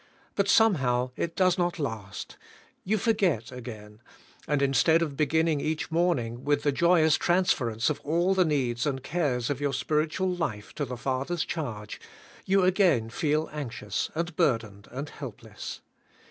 But somehow it does not last. You forget again; and instead of beginning eack morning with the joy ous transference of all the needs and cares of your spiritual life to the Father's charge, you again feel anxious, and burdened, and helpless.